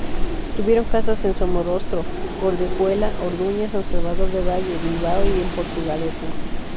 Tuvieron casas en Somorrostro, Gordejuela, Orduña, San Salvador del Valle, Bilbao y en Portugalete.